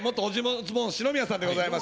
オズボーン篠宮さんでございます。